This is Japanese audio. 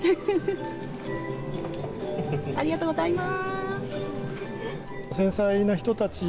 ありがとうございます。